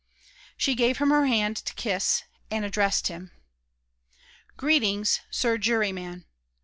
She gave him her hand to kiss, and addressed him: "Greeting, sir juryman!...